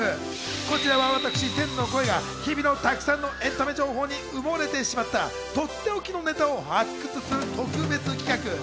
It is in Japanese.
こちら私、天の声が日々のたくさんのエンタメ情報に埋もれてしまったとっておきのネタを発掘する特別企画。